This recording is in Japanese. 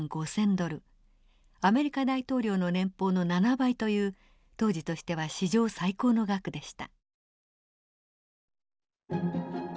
アメリカ大統領の年俸の７倍という当時としては史上最高の額でした。